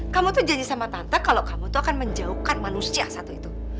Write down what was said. kamu tuh janji sama tante kalau kamu tuh akan menjauhkan manusia satu itu